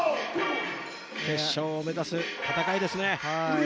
決勝を目指す戦いですね。